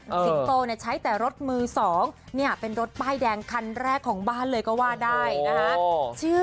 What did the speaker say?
สิงโตใช้แต่รถมือ๒เป็นรถป้ายแดงคันแรกของบ้านเลยก็ว่าได้นะครับ